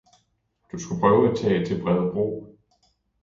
Du skulle prøve at tage til Bredebro